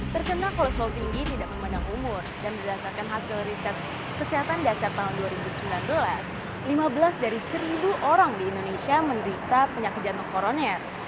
terkena kolesterol tinggi tidak memandang umur dan berdasarkan hasil riset kesehatan dasar tahun dua ribu sembilan belas lima belas dari seribu orang di indonesia menderita penyakit jantung koroner